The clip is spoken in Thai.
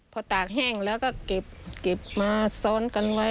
พอตากแห้งแล้วก็เก็บมาซ้อนกันไว้